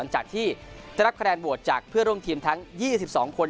หลังจากที่จะรับคะแดนโหวตจากเพื่อร่วมทีมทั้ง๒๒คน